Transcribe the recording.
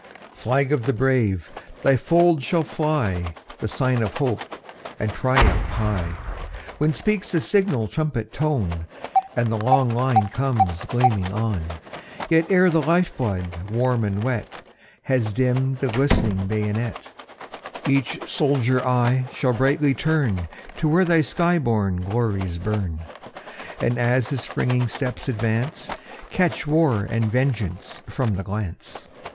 III. Flag of the brave! thy folds shall fly, The sign of hope and triumph high, When speaks the signal trumpet tone, And the long line comes gleaming on. Ere yet the life blood, warm and wet, Has dimm'd the glistening bayonet, Each soldier eye shall brightly turn To where thy sky born glories burn; And as his springing steps advance, Catch war and vengeance from the glance.